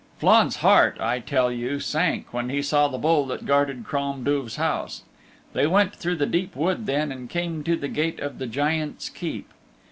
Flann's heart, I tell you, sank, when he saw the bull that guarded Crom Duv's house. They went through the deep wood then, and came to the gate of the Giant's Keep.